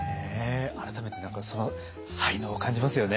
改めて何かその才能を感じますよね。